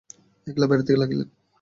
একলা বেড়াইতে লাগিলেন।